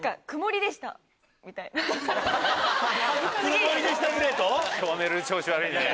曇りでしたプレート？